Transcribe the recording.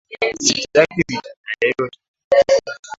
Sitaki vita na yeyote